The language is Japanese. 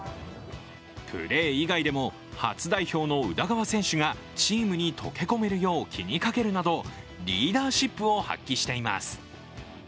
プレー以外でも、初代表の宇田川選手がチームに溶け込めるよう気にかけるなどリーダーシップを発揮しています。